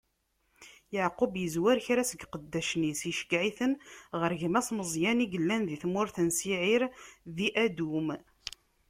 Yeɛqub izzwer kra seg iqeddacen-is, iceggeɛ-iten ɣer gma-s Meẓyan, i yellan di tmurt n Siɛir, di Adum.